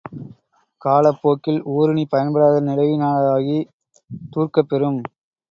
காலப் போக்கில் ஊருணி பயன்படாத நிலையினதாகித் தூர்க்கப் பெறும்.